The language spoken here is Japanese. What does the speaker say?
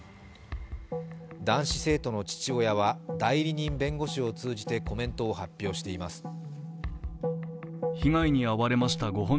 男子生徒の父親は、代理人弁護士を通じてコメントを発表しています。